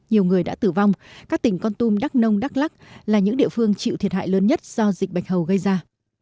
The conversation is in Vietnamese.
nhiều người đã tử vong các tỉnh con tum đắk nông đắk lắc là những địa phương chịu thiệt hại lớn nhất do dịch bạch hầu gây ra